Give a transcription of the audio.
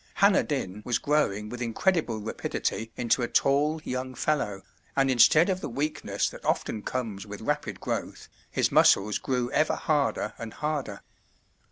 Hanner Dyn was growing with incredible rapidity into a tall young fellow, and instead of the weakness that often comes with rapid growth, his muscles grew ever harder and harder.